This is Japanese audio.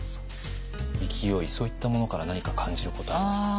勢いそういったものから何か感じることありますか？